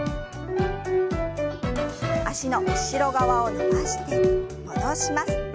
脚の後ろ側を伸ばして戻します。